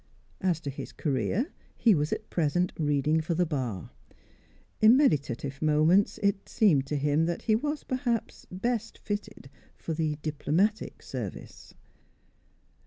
As to his career, he was at present reading for the Bar. In meditative moments it seemed to him that he was, perhaps, best fitted for the diplomatic service.